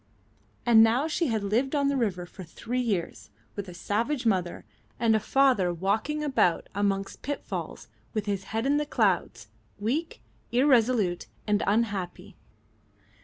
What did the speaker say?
And now she had lived on the river for three years with a savage mother and a father walking about amongst pitfalls, with his head in the clouds, weak, irresolute, and unhappy.